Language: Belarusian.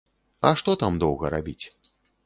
А што там доўга рабіць?